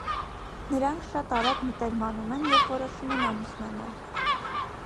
Նրանք շատ արագ մտերմանում են և որոշում են ամուսնանալ։